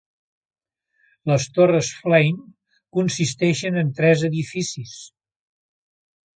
Les Torres Flame consisteixen en tres edificis: